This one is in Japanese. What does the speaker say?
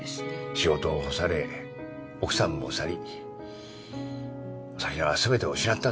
仕事を干され奥さんも去り朝比奈はすべてを失ったんだ。